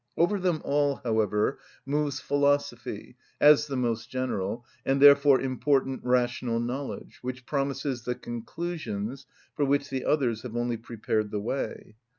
Over them all, however, moves philosophy, as the most general, and therefore important, rational knowledge, which promises the conclusions for which the others have only prepared the way.